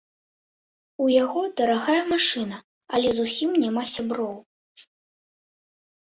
У яго дарагая машына, але зусім няма сяброў.